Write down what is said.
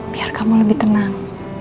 biar kamu lebih tenang